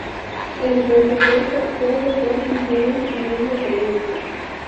El presupuesto fue de dos millones y medio de euros.